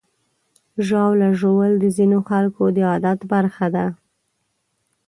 ژاوله ژوول د ځینو خلکو د عادت برخه ده.